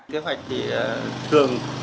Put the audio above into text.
kế hoạch thì thường